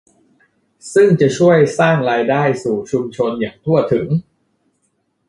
ซึ่งจะช่วยสร้างรายได้สู่ชุมชนอย่างทั่วถึง